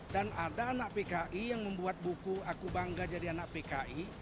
dan ada anak pki yang membuat buku aku bangga jadi anak pki